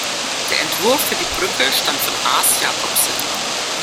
Der Entwurf für die Brücke stammt von Aas-Jakobsen.